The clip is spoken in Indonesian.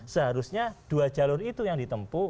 seharusnya dua jalur itu yang ditempuh